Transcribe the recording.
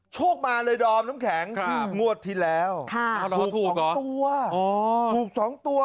โชคมาเลยดอมน้ำแข็งงวดที่แล้วค่ะถูก๒ตัวอ๋อ